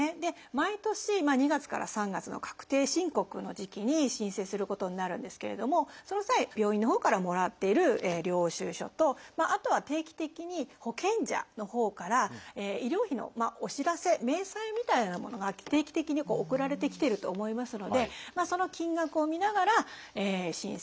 毎年２月から３月の確定申告の時期に申請することになるんですけれどもその際病院のほうからもらっている領収書とあとは定期的に保険者のほうから医療費のお知らせ明細みたいなものが定期的に送られてきてると思いますのでその金額を見ながら申請をすると。